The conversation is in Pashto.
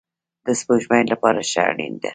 د سپوږمۍ لپاره شپه اړین ده